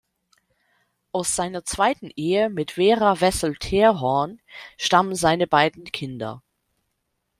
Aus seiner zweiten Ehe mit Vera Wessel-Therhorn stammen seine beiden Kinder.